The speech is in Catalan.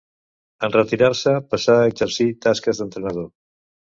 En retirar-se passà a exercir tasques d'entrenador.